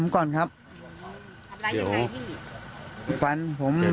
ก็มันฟันผมอ่ะ